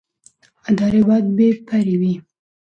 ادارې باید بې پرې وي